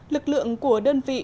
lực lượng của đơn vị